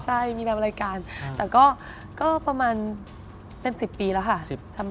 ใช่มีแบบรายการแต่ก็ประมาณเป็น๑๐ปีแล้วค่ะ